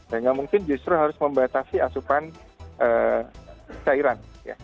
dan tidak mungkin justru harus membatasi asupan cairan